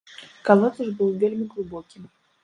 Калодзеж быў вельмі глыбокі.